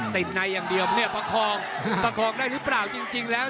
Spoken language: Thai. ติดในอย่างเดียวประคองได้หรือเปล่าจริงแล้ว